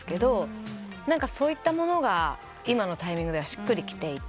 そういったものが今のタイミングではしっくりきていて。